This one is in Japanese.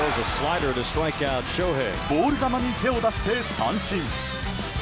ボール球に手を出して三振。